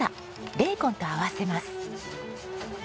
ベーコンと合わせます。